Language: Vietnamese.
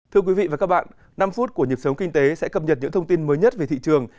thưa quý vị và các bạn năm phút của nhịp sống kinh tế sẽ cập nhật những thông tin mới nhất về thị trường